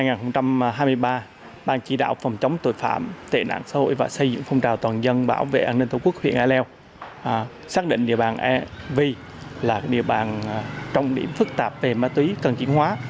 năm hai nghìn hai mươi ba ban chỉ đạo phòng chống tội phạm tệ nạn xã hội và xây dựng phong trào toàn dân bảo vệ an ninh tổ quốc huyện ea leo xác định địa bàn evi là địa bàn trọng điểm phức tạp về ma túy cần chuyển hóa